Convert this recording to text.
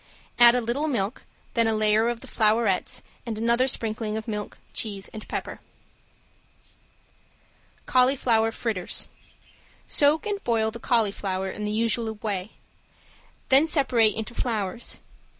Add a little milk, then a layer of the flowerets and another sprinkling of milk, cheese and pepper. ~CAULIFLOWER FRITTERS~ Soak and boil the cauliflower in the usual way, then separate into flowers.